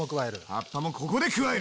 葉っぱもここで加える！